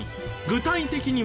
具体的に？